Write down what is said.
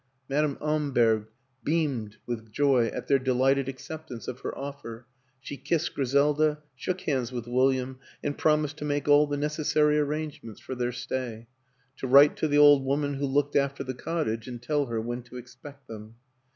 Madame Amberg beamed with joy at their de lighted acceptance of her offer; she kissed Gri selda, shook hands with William and promised to make all the necessary arrangements for their stay to write to the old woman who looked after the cottage and tell her when to expect them.